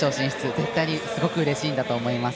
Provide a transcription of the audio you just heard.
絶対にすごくうれしいんだと思います。